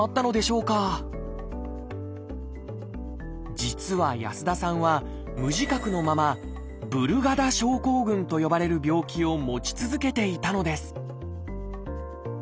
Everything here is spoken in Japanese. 実は安田さんは無自覚のまま「ブルガダ症候群」と呼ばれる病気を持ち続けていたのです